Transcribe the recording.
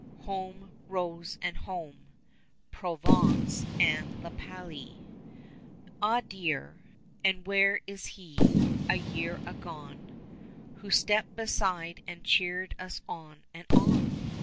Home, Rose, and home, Provence and La Palie. 5 Ah dear, and where is he, a year agone Who stepped beside and cheered us on and on?